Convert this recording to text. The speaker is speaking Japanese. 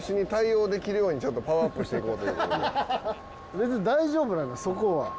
別に大丈夫なのそこは。